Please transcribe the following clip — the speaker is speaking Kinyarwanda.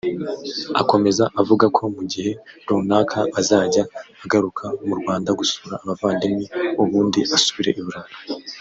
Akomeza avuga ko mu gihe runaka azajya agaruka mu Rwanda gusura abavandimwe ubundi asubire i Burayi